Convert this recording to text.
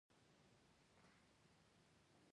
دښتې د هیوادوالو لپاره لوی ویاړ دی.